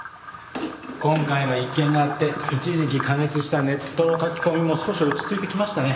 今回の一件があって一時期過熱したネットの書き込みも少し落ち着いてきましたね。